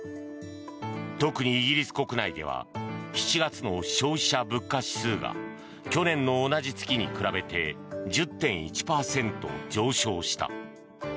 特にイギリス国内では７月の消費者物価指数が去年の同じ月に比べて１０．１％上昇した。